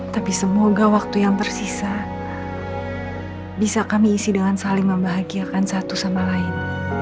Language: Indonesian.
tapi semoga waktu yang tersisa bisa kami isi dengan saling membahagiakan satu sama lain